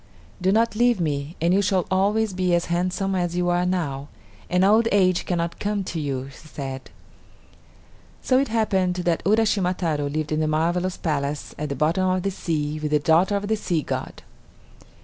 "Do not leave me, and you shall always be as handsome as you are now, and old age cannot come to you," she said. So it happened that Uraschima Taro lived in the marvelous palace at the bottom of the sea with the daughter of the sea god.